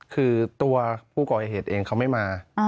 คือตัวผู้ก่อเหตุเองเขาไม่มา